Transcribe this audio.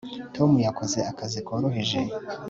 tom yakoze akazi koroheje